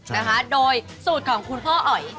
นะคะโดยสูตรของคุณพ่ออ๋อย